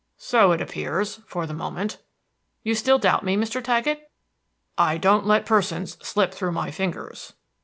"So it appears, for the moment." "You still doubt me, Mr. Taggett?" "I don't let persons slip through my fingers."